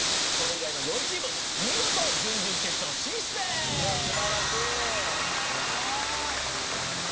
それ以外の４チーム見事準々決勝進出です！